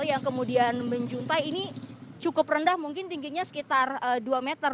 yang kemudian menjuntai ini cukup rendah mungkin tingginya sekitar dua meter